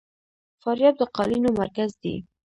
فاریاب د قالینو مرکز دی